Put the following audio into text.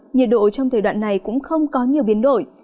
nhiệt độ trong thời đoạn này cũng không có nhiều biến đổi